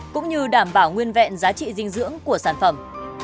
cũng như đảm bảo nguyên vẹn giá trị dinh dưỡng của sản phẩm